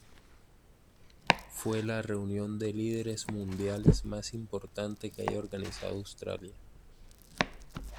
Fue la reunión de líderes mundiales más importante que haya organizado Australia.